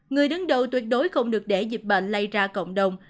người đứng đầu tuyệt đối không được để dịch bệnh lây ra cộng đồng